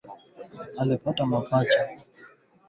na Burundi asilimia sabini na nane